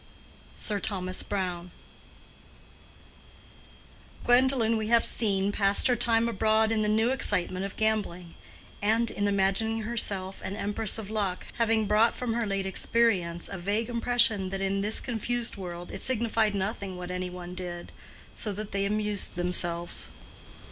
—SIR THOMAS BROWNE. Gwendolen, we have seen, passed her time abroad in the new excitement of gambling, and in imagining herself an empress of luck, having brought from her late experience a vague impression that in this confused world it signified nothing what any one did, so that they amused themselves.